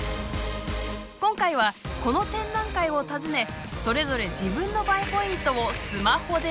今回はこの展覧会を訪ねそれぞれ自分のＢＡＥポイントをスマホでパシャ！